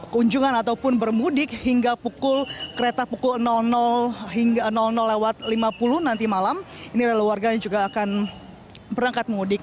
kunjungan ataupun bermudik hingga pukul kereta pukul hingga lewat lima puluh nanti malam ini adalah warga yang juga akan berangkat mudik